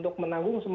jadi ber aprofite